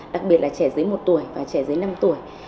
đặc biệt là trẻ dưới một tuổi và trẻ dưới năm tuổi